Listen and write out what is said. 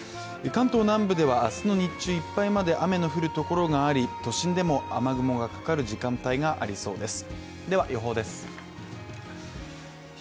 関東南部では明日の日中いっぱいまで雨が降るところがあり都心でも雨雲がかかる時間帯がありそうです。